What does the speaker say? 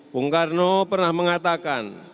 bung karno pernah mengatakan